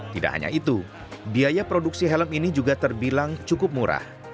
tidak hanya itu biaya produksi helm ini juga terbilang cukup murah